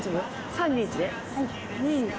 ３２１ね？